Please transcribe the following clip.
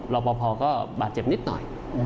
รอบพอพอก็บาดเจ็บนิดหน่อย